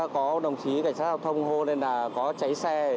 có đồng chí cảnh sát giao thông hô nên là có cháy xe